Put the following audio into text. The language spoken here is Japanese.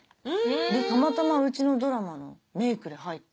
でたまたまうちのドラマのメイクで入って。